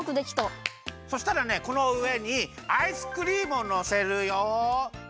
そしたらねこのうえにアイスクリームをのせるよ。